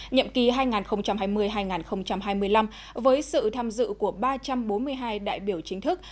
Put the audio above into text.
nhiệm kỳ hai nghìn hai mươi hai nghìn hai mươi năm với sự tham dự của ba trăm bốn mươi hai đại biểu chính thức